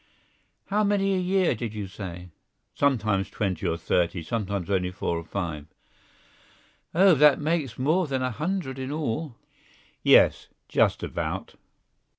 "How many a year, did you say?" "Sometimes twenty or thirty, sometimes only four or five." "Oh! that makes more than a hundred in all!" "Yes, just about."